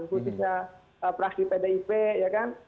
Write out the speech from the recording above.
khususnya praksi pdip ya kan